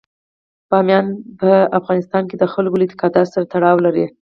بامیان په افغانستان کې د خلکو له اعتقاداتو سره تړاو لري.